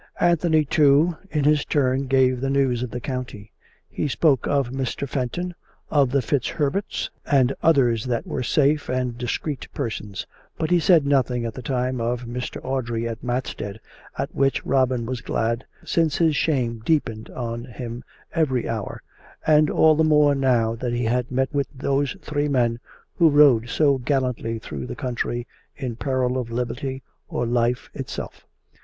Anthony, too, in his turn gave the news of the county; he spoke of Mr. Fenton, of the FitzHerberts and others that were safe and discreet persons; but he said nothing at that time of Mr. Audrey of Matstead, at which Robin COME RACK! COME ROPE! 37 was glad^ since his shame deepened on him every hour, and all the more now that he had met with those three men who rode so gallantly through the country in peril of lib erty or life itself.